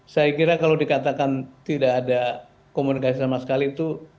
saya kira kalau dikatakan tidak ada komunikasi sama sekali itu